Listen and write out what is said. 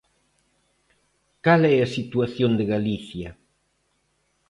¿Cal é a situación de Galicia?